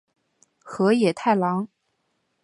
河野太郎。